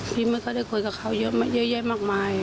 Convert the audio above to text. พี่ไม่เคยได้คุยกับเขาเยอะมากมาย